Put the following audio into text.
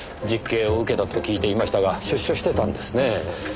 実刑を受けたと聞いていましたが出所してたんですねえ。